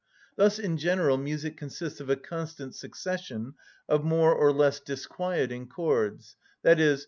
Thus, in general, music consists of a constant succession of more or less disquieting chords, _i.e.